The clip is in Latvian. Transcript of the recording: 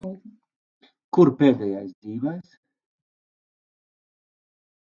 Kur pēdējais dzīvais?